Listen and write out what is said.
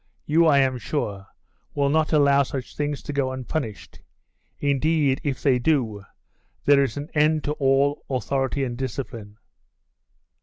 You, I am sure, will not allow such things to go unpunished; indeed, if they do, there is an end to all authority and discipline.